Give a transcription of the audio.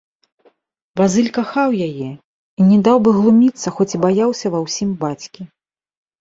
Базыль кахаў яе і не даў бы глуміцца, хоць і баяўся ва ўсім бацькі.